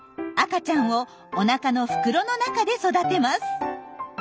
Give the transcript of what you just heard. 赤ちゃんをおなかの袋の中で育てます。